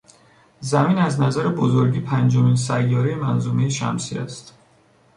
زمین از نظر بزرگی پنجمین سیارهی منظومهی شمسی است.